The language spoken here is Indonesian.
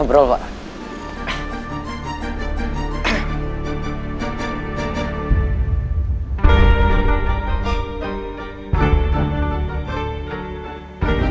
lunges gak banyak itu